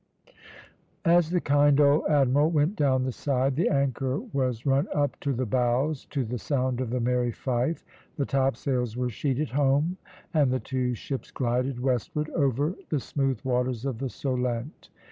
As the kind old admiral went down the side, the anchor was run up to the bows, to the sound of the merry fife, the topsails were sheeted home, and the two ships glided westward over the smooth waters of the Solent.